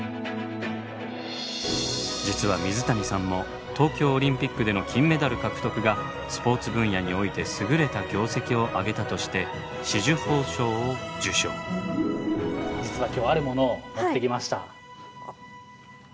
実は水谷さんも東京オリンピックでの金メダル獲得がスポーツ分野においてすぐれた業績を挙げたとして実は今日あるものを持ってきました。